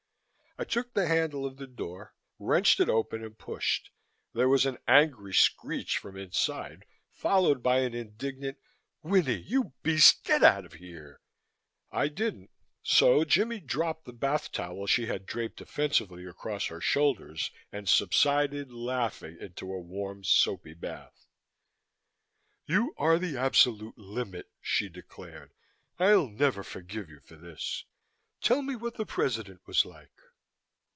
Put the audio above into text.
I took the handle of the door, wrenched it open and pushed. There was an angry screech from inside, followed by an indignant, "Winnie, you beast! Get out of here!" I didn't, so Jimmie dropped the bath towel she had draped defensively across her shoulders and subsided laughing into a warm, soapy bath. "You are the absolute limit!" she declared. "I'll never forgive you for this. Tell me, what the President was like?"